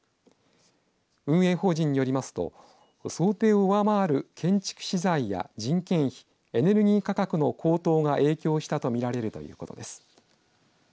運営法人によりますと想定を上回る建築資材や人件費エネルギー価格の高騰が影響したと見られるということです。